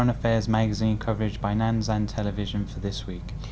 cũng như những lời nhắn nhủ cho những người ở xa thông qua địa chỉ facebook truyền hình nhân dân